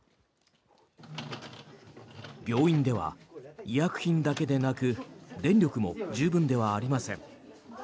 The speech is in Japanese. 病院では、医薬品だけでなく電力も十分ではありません。